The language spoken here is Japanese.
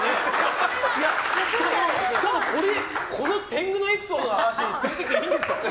しかもこの天狗のエピソードの話で連れてきていいんですか。